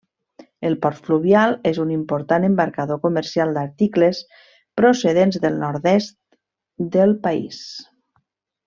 El port fluvial és un important embarcador comercial d'articles procedents del nord-est del país.